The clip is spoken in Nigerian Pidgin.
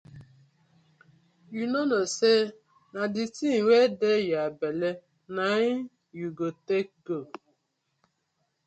Yu no kno say na di tin wey yah belle na im yu go take go.